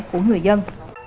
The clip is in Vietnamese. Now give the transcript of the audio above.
của người dân